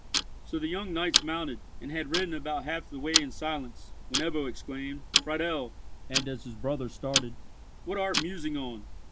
So the young knights mounted, and had ridden about half the way in silence, when Ebbo exclaimed, "Friedel"—and as his brother started, "What art musing on?"